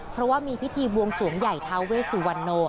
เพราะว่ามีพิธีบวงสวงใหญ่ทาเวสุวรรณโน